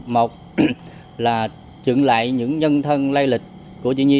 một là trừng lại những nhân thân lay lịch của chị nhi